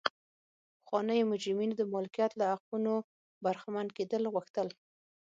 پخوانیو مجرمینو د مالکیت له حقونو برخمن کېدل غوښتل.